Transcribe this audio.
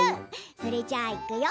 それじゃあ、いくよ。